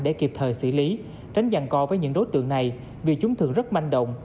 để kịp thời xử lý tránh giàn co với những đối tượng này vì chúng thường rất manh động